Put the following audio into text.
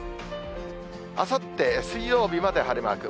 あさって水曜日まで晴れマーク。